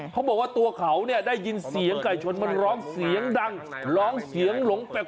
เขาบอกว่าตัวเขาเนี่ยได้ยินเสียงไก่ชนมันร้องเสียงดังร้องเสียงหลงแปลก